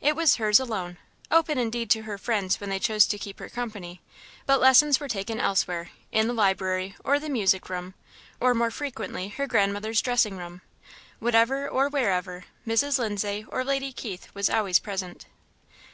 It was hers alone, open indeed to her friends when they chose to keep her company; but lessons were taken elsewhere in the library, or the music room, or more frequently her grandmother's dressing room. Wherever, or whatever, Mrs. Lindsay or Lady Keith was always present.